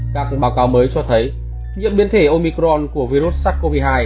các báo cáo mới cho thấy những biến thể omicron của virus sars cov hai